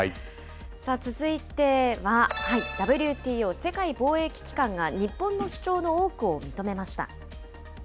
続いては、ＷＴＯ・世界貿易機関が日本の主張の多くを認めました。